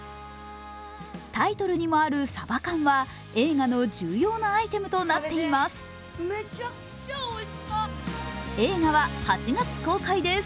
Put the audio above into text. タイトルにもあるサバ缶は映画の重要なアイテムとなっています。